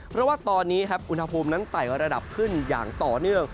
เพราะว่าตอนนี้ครับอุณหภูมินั้นไต่ระดับขึ้นอย่างต่อเนื่อง